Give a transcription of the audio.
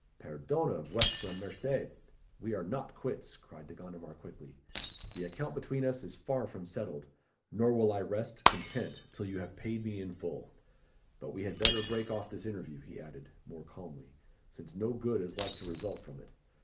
"Perdone, vuestra merced! we are not quits," cried De Gondomar quickly. "The account between us is far from settled; nor will I rest content till you have paid me in full. But we had better break off this interview," he added, more calmly, "since no good is like to result from it.